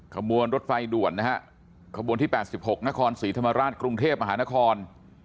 ขบวนรถไฟด่วนนะฮะขบวนที่๘๖นครศรีธรรมราชกรุงเทพมหานคร